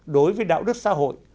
đối với đạo đức xã hội